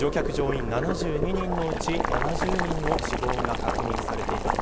乗客乗員７２人のうち７０人の死亡が確認されています。